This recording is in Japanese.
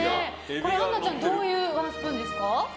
これ、杏菜ちゃんどういうワンスプーンですか。